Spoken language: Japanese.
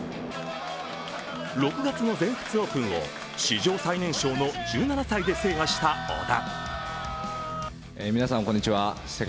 ６月の全仏オープンを史上最年少の１７歳で制覇した小田。